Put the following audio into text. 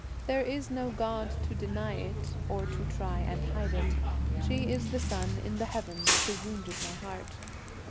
There is no god to deny it or to try and hide it, She is the sun in the heavens who wounded my heart.